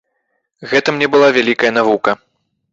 Гэта мне была вялікая навука.